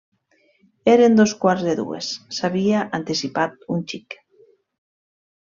Eren dos quarts de dues: s'havia anticipat un xic